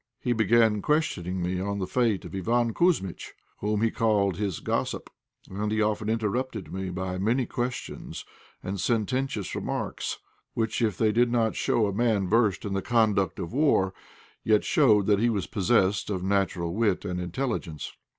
He began questioning me on the fate of Iván Kouzmitch, whom he called his gossip, and he often interrupted me by many questions and sententious remarks, which if they did not show a man versed in the conduct of war, yet showed that he was possessed of natural wit, and of intelligence.